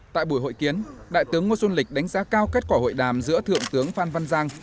tại buổi hội kiến đại tướng ngô xuân lịch đánh giá cao kết quả hội đàm giữa thượng tướng phan văn giang